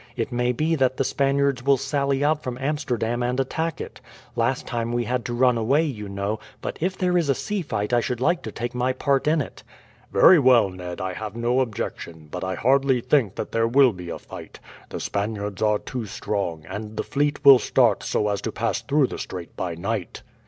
It may be that the Spaniards will sally out from Amsterdam and attack it. Last time we had to run away, you know; but if there is a sea fight I should like to take my part in it." "Very well, Ned, I have no objection; but I hardly think that there will be a fight. The Spaniards are too strong, and the fleet will start so as to pass through the strait by night."